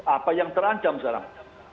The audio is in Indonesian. apa yang terancam sekarang